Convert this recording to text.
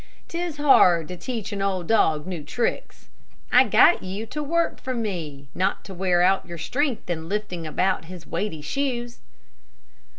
''Tis hard to teach an old dog new tricks.' I got you to work for me, not to wear out your strength in lifting about his weighty shoes."